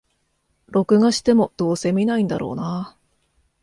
録画しても、どうせ観ないんだろうなあ